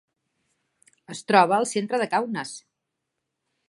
Es troba al centre de Kaunas.